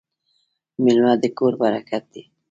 میلمه د کور برکت دی.